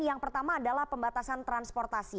yang pertama adalah pembatasan transportasi